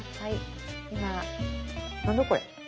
何だこれ？